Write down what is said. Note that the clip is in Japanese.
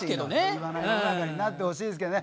平和な世の中になってほしいですけどね。